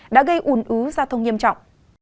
đã gây ủn ứ giao thông nghiêm trọng